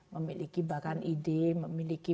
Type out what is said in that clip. memiliki bahkan ide memiliki